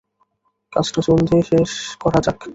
কাজটা জলদি শেষ করা যাক।